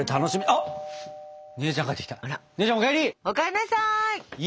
お帰んなさい！